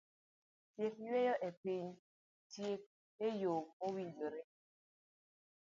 Tiek wuoyo e piny, tiek eyo mowinjore.